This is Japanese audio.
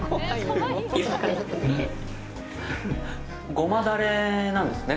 ごまダレなんですね。